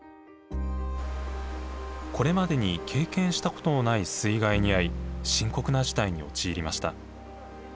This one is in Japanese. これまでに経験したことのない水害に遭い深刻な事態に陥りました。